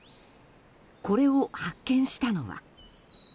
これを発見したのは。